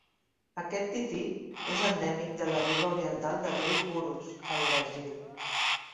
Aquest tití és endèmic de la riba oriental del riu Purus, al Brasil.